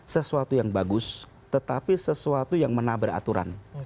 sesuatu yang bagus tetapi sesuatu yang menabrak aturan